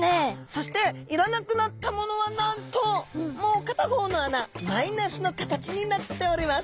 そしていらなくなったものはなんともう片方の穴マイナスの形になっております。